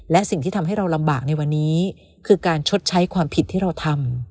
และสิ่งที่ทำให้เราลำบากในวันนี้คือการชดใช้ความผิดที่เราทำ